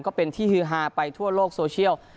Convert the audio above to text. ก็เป็นที่ฮือฮาไปทั่วโลกโซเชียล